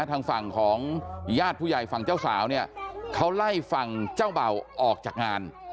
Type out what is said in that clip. ทางฝั่งของญาติผู้ใหญ่ฝั่งเจ้าสาวเนี่ยเขาไล่ฝั่งเจ้าเบาออกจากงาน